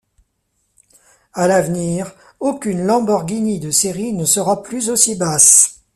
À l'avenir, aucune Lamborghini de série ne sera plus aussi basse.